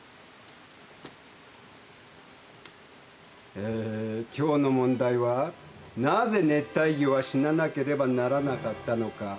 えー今日の問題はなぜ熱帯魚は死ななければならなかったのか。